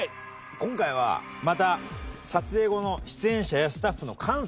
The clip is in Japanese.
今回はまた撮影後の出演者やスタッフの感想コメント。